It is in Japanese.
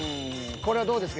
これはどうですか？